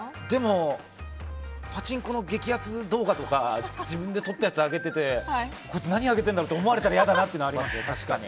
パチンコのゲキアツ動画とか自分で撮ったやつ上げててこいつ何上げているんだろうって思われたらいやだなっていうのはありますね、確かに。